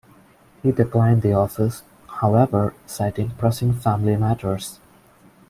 He declined the office, however, citing pressing family matters.